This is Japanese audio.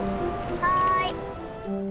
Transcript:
はい。